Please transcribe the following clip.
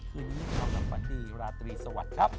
คืนนี้กับวันนี้ลาตรีสวัสดีครับ